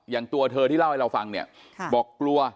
อย่างตัวเธอที่เล่าให้เราฟังบอกกลัว